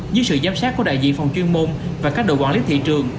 dưới sự giám sát của đại diện phòng chuyên môn và các đội quản lý thị trường